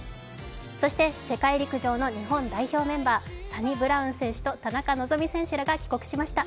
そして、世界陸上の日本代表メンバー、サニブラウン選手と田中希実選手らが帰国しました。